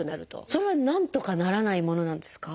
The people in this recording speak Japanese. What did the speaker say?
それはなんとかならないものなんですか？